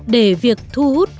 để việc thu hút